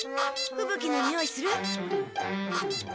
ふぶ鬼のにおいする？